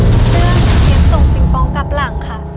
เรื่องเสียงส่งปิงปองกลับหลังค่ะ